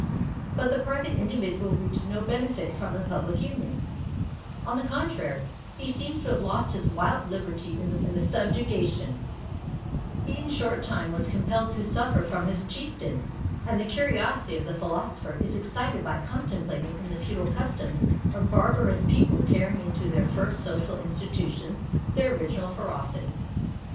But the private individual reaped no benefit from the public union; on the contrary, he seems to have lost his wild liberty in the subjugation; he in a short time was compelled to suffer from his chieftain; and the curiosity of the philosopher is excited by contemplating in the feudal customs a barbarous people carrying into their first social institutions their original ferocity.